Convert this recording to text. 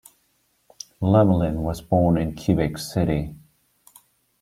Lemelin was born in Quebec City.